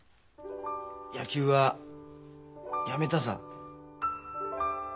野球はやめたさ。